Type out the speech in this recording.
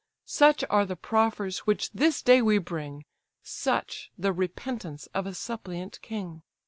Such are the proffers which this day we bring, Such the repentance of a suppliant king.